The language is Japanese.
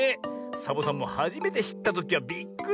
サボさんもはじめてしったときはびっくりしたぜ。